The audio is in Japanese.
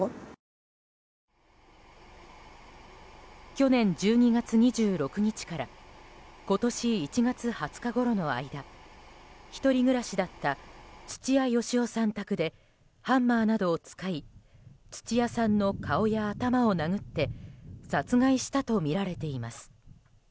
去年１２月２６日から今年１月２０日ごろの間１人暮らしだった土屋好夫さん宅でハンマーなどを使い土屋さんの顔や頭を殴って殺害したとみられています。